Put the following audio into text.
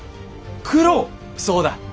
そうだ。